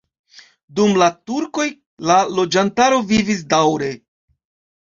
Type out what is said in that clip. Dum la turkoj la loĝantaro vivis daŭre.